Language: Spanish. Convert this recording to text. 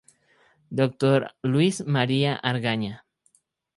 Dr. Luis María Argaña.